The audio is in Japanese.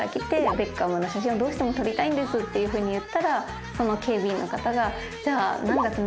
ベッカムの写真をどうしても撮りたいんです」って言ったらその警備員の方が。